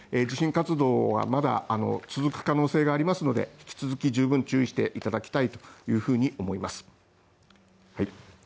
地震活動はまだ続く可能性がありますので引き続き十分注意していただきたいと思います。